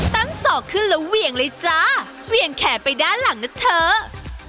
ศอกขึ้นแล้วเหวี่ยงเลยจ้าเหวี่ยงแขนไปด้านหลังนะเถอะ